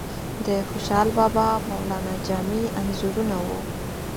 د خوشحال بابا، مولانا جامی انځورونه وو.